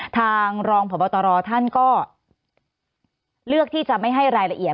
ทางรองพบตรท่านก็เลือกที่จะไม่ให้รายละเอียด